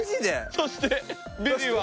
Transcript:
そしてビリは。